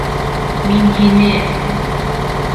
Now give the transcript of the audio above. Мин һине!..